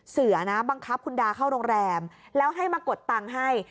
เสือนะบังคับคุณดาเข้าโรงแรมแล้วให้มากดตังค์ให้